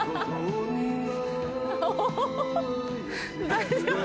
大丈夫？